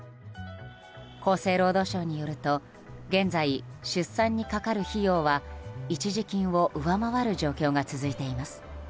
厚生労働省によると現在、出産にかかる費用は一時金を上回る状況が続いています。